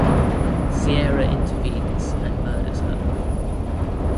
Sierra intervenes and murders her.